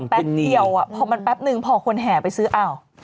แป๊บเดียวพอมันแป๊บนึงพอคนแห่ไปซื้ออ้าว